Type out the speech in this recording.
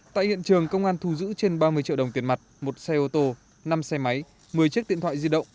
tại hiện trường công an thu giữ trên ba mươi triệu đồng tiền mặt một xe ô tô năm xe máy một mươi chiếc điện thoại di động